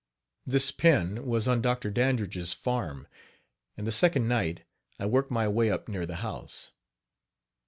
This pen was on Dr. Dandridge's farm; and the second night I worked my way up near the house.